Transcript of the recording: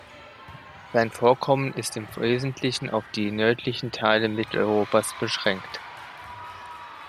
Sein Vorkommen ist im Wesentlichen auf die nördlichen Teile Mitteleuropas beschränkt.